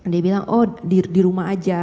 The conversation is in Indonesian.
dia bilang oh di rumah aja